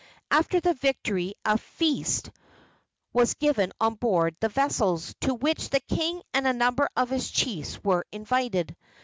After the victory a feast was given on board the vessels, to which the king and a number of his chiefs were invited.